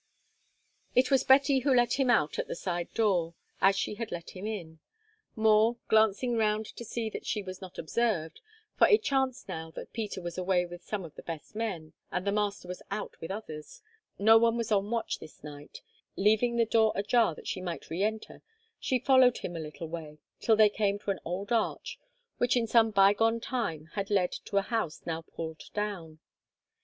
It was Betty who let him out at the side door, as she had let him in. More, glancing round to see that she was not observed—for it chanced now that Peter was away with some of the best men, and the master was out with others, no one was on watch this night—leaving the door ajar that she might re enter, she followed him a little way, till they came to an old arch, which in some bygone time had led to a house now pulled down.